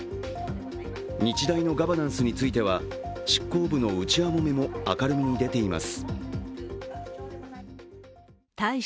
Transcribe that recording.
日大のガバナンスについては、執行部の内輪もめも明るみに出ています。